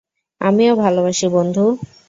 আমিও ভালোবাসি বন্ধু।